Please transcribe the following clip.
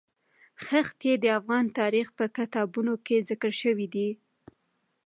ښتې د افغان تاریخ په کتابونو کې ذکر شوی دي.